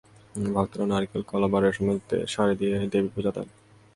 ভক্তরা নারকেল, কলা বা রেশমি শাড়ি দিয়ে দেবীর পূজা দেন।